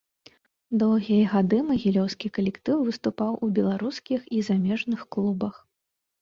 Доўгія гады магілёўскі калектыў выступаў у беларускіх і замежных клубах.